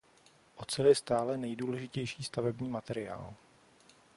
Ocel je stále nejdůležitější stavební materiál.